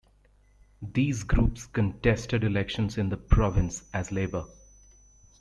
These groups contested elections in the province as "Labour".